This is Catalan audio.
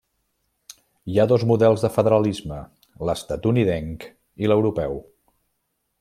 Hi ha dos models de federalisme: l'estatunidenc i l'europeu.